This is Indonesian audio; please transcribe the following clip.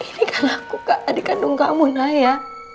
ini kan aku adik kandung kamu naya